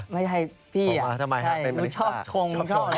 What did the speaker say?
ไม่ใช่พี่อ่ะชอบชง